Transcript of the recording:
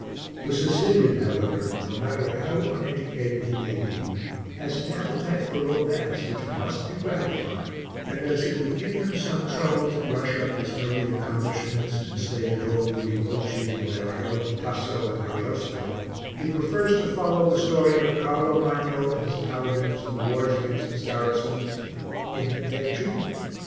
The Sicilian, however, no matter how uneducated he may be, has an appetite for romance which must be gratified and, as it would give him some trouble to brush up his early accomplishments and stay at home reading Pulci and Boiardo, Tasso and Ariosto, he prefers to follow the story of Carlo Magno and his paladins and the wars against the Saracens in the teatrino.